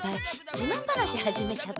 じまん話始めちゃった？